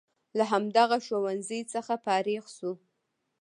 له همدغه ښوونځي څخه فارغ شو.